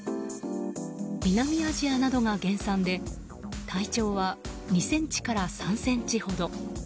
南アジアなどが原産で体長は２ｃｍから３ｃｍほど。